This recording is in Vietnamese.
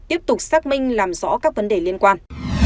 tiếp tục xác minh làm rõ các vấn đề liên quan